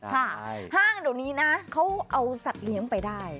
ห้างเดี๋ยวนี้นะเขาเอาสัตว์เลี้ยงไปได้